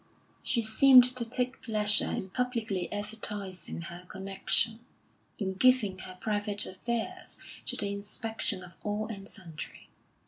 She seemed to take pleasure in publicly advertising her connection, in giving her private affairs to the inspection of all and sundry.